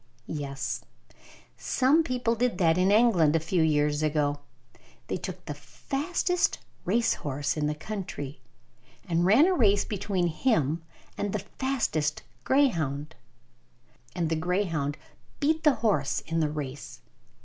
Yes, some people did that in England a few years ago. They took the fastest racehorse in the country, and ran a race between him and the fastest greyhound; and the greyhound beat the horse in the race.